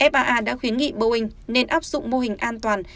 faa đã khuyến nghị boeing nên áp dụng mô hình an toàn